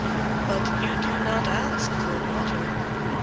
But you do not ask for water.